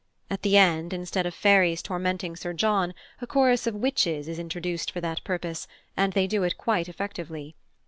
At the end, instead of fairies tormenting Sir John, a chorus of witches is introduced for that purpose, and they do it quite effectively.